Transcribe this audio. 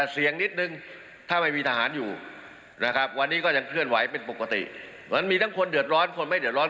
เพราะฉะนั้นมีทั้งคนเดือดร้อนคนไม่เดือดร้อน